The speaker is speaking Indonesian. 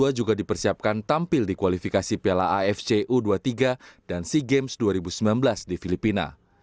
kedua juga dipersiapkan tampil di kualifikasi piala afc u dua puluh tiga dan sea games dua ribu sembilan belas di filipina